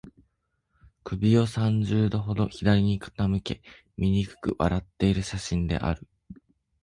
首を三十度ほど左に傾け、醜く笑っている写真である